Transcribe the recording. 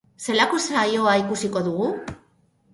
Zelako saioa ikusiko dugu?